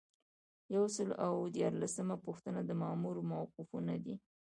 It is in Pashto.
یو سل او دیارلسمه پوښتنه د مامور موقفونه دي.